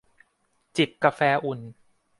จิบกาแฟอุ่น